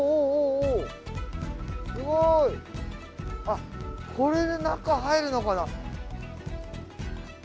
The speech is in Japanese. あっこれで中入るのかな？